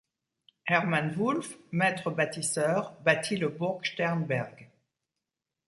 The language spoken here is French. Hermann Wulff, maître bâtisseur, bâtit le Burg Sternberg.